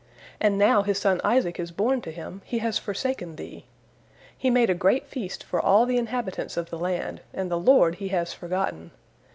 And now his son Isaac is born to him, he has forsaken Thee. He made a great feast for all the inhabitants of the land, and the Lord he has forgotten.